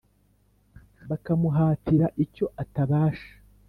bakamuhatira icyo atabasha!